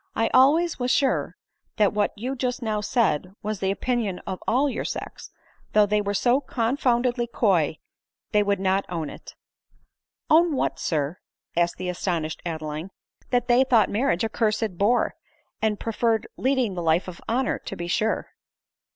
I al ways was sure that what you just now said was the opinion of all your sex, though they were so confoundedly coy they would not own it." " Own what, Sir ?" asked the astonished Adeline. " That they thought marriage a cursed bore, and pre ferred leading the life of honor, to be sure."